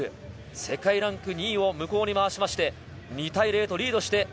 世界ランク２位を向こうに回して２対０とリード。